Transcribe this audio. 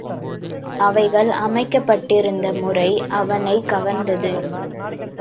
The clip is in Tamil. அவைகள் அமைக்கப்பட்டிருந்த முறை அவனைக் கவர்ந்தது.